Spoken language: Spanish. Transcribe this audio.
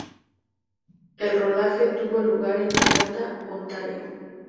El rodaje tuvo lugar en Kanata, Ontario.